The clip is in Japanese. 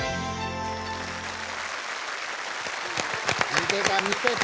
見てた見てた！